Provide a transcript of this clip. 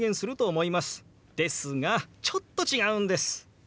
ですがちょっと違うんです。